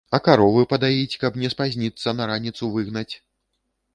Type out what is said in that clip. А каровы падаіць, каб не спазніцца на раніцу выгнаць?